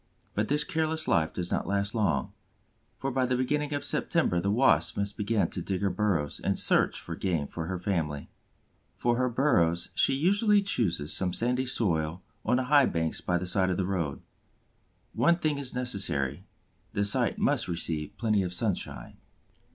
But this careless life does not last long, for by the beginning of September the Wasp must begin to dig her burrows and search for game for her family. For her burrows she usually chooses some sandy soil on the high banks by the side of the road. One thing is necessary: the site must receive plenty of sunshine.